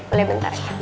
boleh bentar ya